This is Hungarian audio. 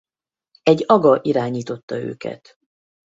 Egy aga irányította őket.